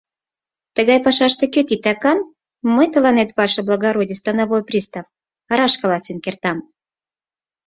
Тыгай пашаште кӧ титакан, мый тыланет, ваше благородий становой пристав, раш каласен кертам.